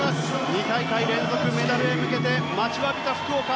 ２大会連続メダルへ向けて待ちわびた福岡。